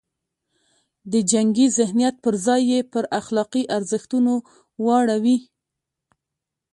د جنګي ذهنیت پر ځای یې پر اخلاقي ارزښتونو واړوي.